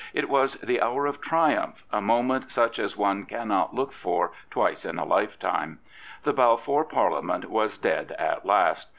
It was the hour of triumph, a moment such as one cannot look for twice in a lifetime. The Balfour Parliament was dead at last.